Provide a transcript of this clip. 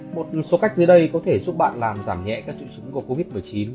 một số cách dưới đây có thể giúp bạn làm giảm nhẹ các triệu chứng của covid một mươi chín